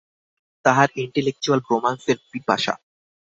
তাহার ইনটেলেকচুয়াল রোমান্সের পিপাসা।